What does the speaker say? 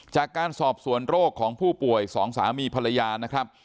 จากการสอบสวนโรคของผู้ป่วยสองสามีภรรยานะครับ